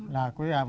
lagi ya wnt